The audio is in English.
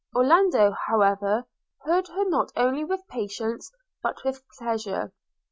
Orlando, however, heard her not only with patience but with pleasure.